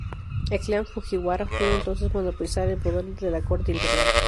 El clan Fujiwara pudo entonces monopolizar el poder de la corte imperial.